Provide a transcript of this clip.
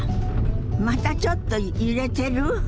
またちょっと揺れてる？